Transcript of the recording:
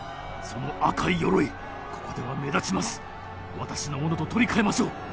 私のものと取り換えましょう。